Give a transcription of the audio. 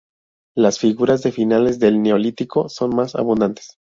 Las figuras de finales del Neolítico son más abundantes.